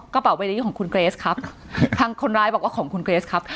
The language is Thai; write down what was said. กระเป๋าใบนี้ของคุณเกรสครับทางคนร้ายบอกว่าของคุณเกรสครับ